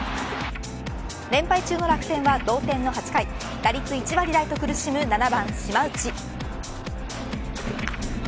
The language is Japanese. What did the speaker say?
連敗中の楽天は同点の８回打率１割台と苦しむ７番、島内。